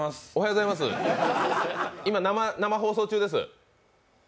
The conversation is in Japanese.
今、生放送中です。